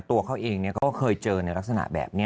ตัวเขาเองก็เคยเจอในลักษณะแบบนี้